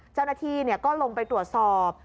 เจ้าหน้าที่ก็ลงไปตรวจสอบ